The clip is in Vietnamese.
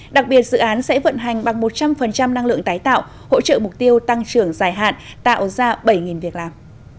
đặc biệt dự án sẽ vận hành bằng một trăm linh năng lượng tái tạo hỗ trợ mục tiêu tăng trưởng dài hạn tạo ra bảy việc làm